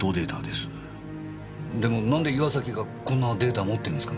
でも何で岩崎がこんなデータ持ってんですかね？